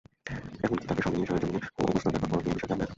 এমনকি তাঁকে সঙ্গে নিয়ে সরেজমিনে অবস্থা দেখানোর পরও তিনি বিষয়টি আমলে নেননি।